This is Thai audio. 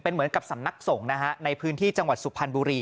เป็นเหมือนกับสำนักส่งในพื้นที่จังหวัดสุภัณฑ์บุรี